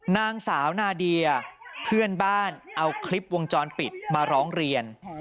นางสาวนาเดียเพื่อนบ้านเอาคลิปวงจรปิดมาร้องเรียน